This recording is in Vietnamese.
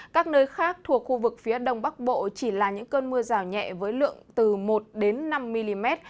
các nơi khác thuộc khu vực phía đông bắc bộ chỉ là những cơn mưa rào nhẹ với lượng từ một đến năm mm